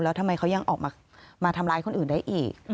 แล้วทำไมเขายังออกมาทำร้ายคนอื่นได้อีก